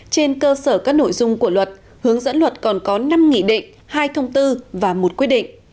trên cơ sở các nội dung của luật hướng dẫn luật còn có năm nghị định hai thông tư và một quyết định